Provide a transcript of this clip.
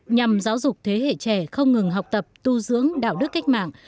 nhằm giáo dục thế hệ trẻ không ngừng học tập tu dưỡng đạo đức cách mạng